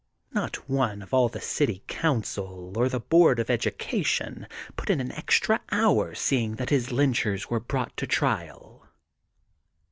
Not one of all the City Council or the Board of Education . put in an extra hour seeing that his lynchers were brought to trial.